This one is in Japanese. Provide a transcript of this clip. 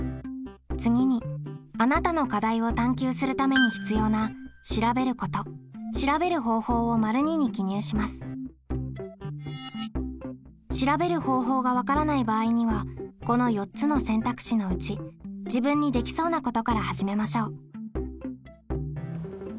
次にあなたの課題を探究するために必要な調べる方法が分からない場合にはこの４つの選択肢のうち自分にできそうなことから始めましょう。